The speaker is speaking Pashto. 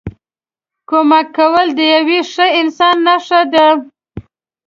کمک کول د یوه ښه انسان نښه ده.